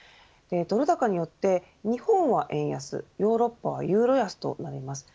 ドル高によって日本は円安ヨーロッパはユーロ安となります。